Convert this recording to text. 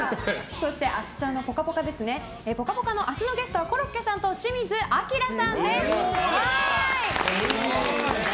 そして明日の「ぽかぽか」のゲストはコロッケさんと清水アキラさんです。